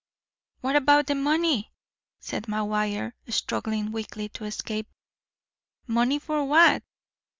"What about the money?" said McGuire, struggling weakly to escape. "Money for what?"